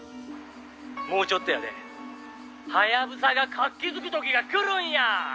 「もうちょっとやで」「ハヤブサが活気づく時がくるんや！」